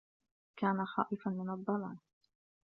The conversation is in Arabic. كان خائفا من الظلام.